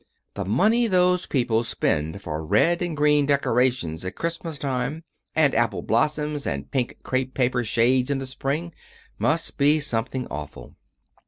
The money those people spend for red and green decorations at Christmas time, and apple blossoms and pink crepe paper shades in the spring, must be something awful.